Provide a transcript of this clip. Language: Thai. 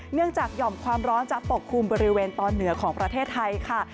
หย่อมความร้อนจะปกคลุมบริเวณตอนเหนือของประเทศไทยค่ะ